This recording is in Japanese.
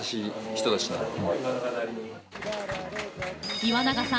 岩永さん